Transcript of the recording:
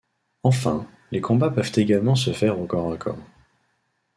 Enfin, les combats peuvent également se faire au corps à corps.